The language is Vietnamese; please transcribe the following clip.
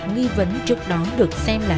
nghi vấn trước đó được xem là